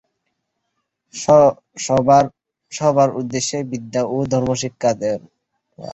সভার উদ্দেশ্য বিদ্যা ও ধর্ম শিক্ষা দেওয়া।